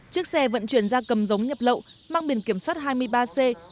chiếc xe vận chuyển gia cầm giống nhập lậu mang biển kiểm soát hai mươi ba c một nghìn bảy trăm tám mươi bốn